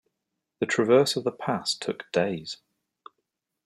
The traverse of the pass took days.